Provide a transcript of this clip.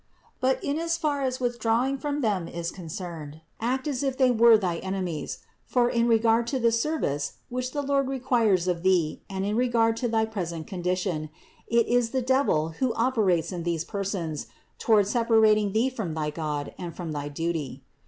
But in as far as withdrawing from them is concerned, act as if they were thy enemies; for in regard to the ser 2 20 286 CITY OF GOD vice, which the Lord requires of thee and in regard to thy present condition, it is the devil who operates in these persons toward separating thee from thy God and from thy duty.